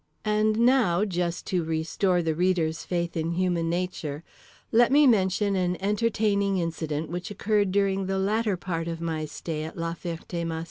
And now, just to restore the reader's faith in human nature, let me mention an entertaining incident which occurred during the latter part of my stay at La Ferté Macé.